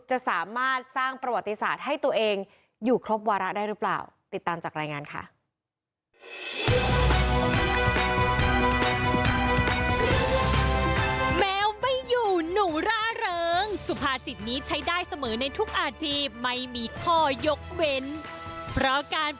จะสามารถสร้างประวัติศาสตร์ให้ตัวเองอยู่ครบวาระได้หรือเปล่า